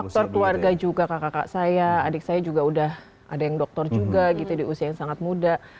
faktor keluarga juga kakak kakak saya adik saya juga udah ada yang doktor juga gitu di usia yang sangat muda